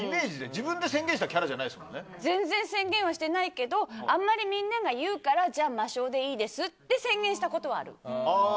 自分で宣言はしてないけどあんまりみんなが言うからじゃあ、魔性でいいですって宣言したことはある。